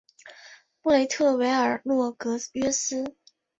布雷特维尔洛格约斯。